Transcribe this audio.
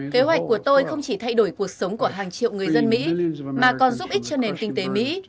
kế hoạch của tôi không chỉ thay đổi cuộc sống của hàng triệu người dân mỹ mà còn giúp ích cho nền kinh tế mỹ